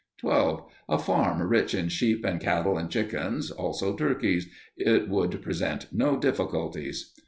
_ 12. _A farm rich in sheep and cattle and chickens, also turkeys. It would present no difficulties.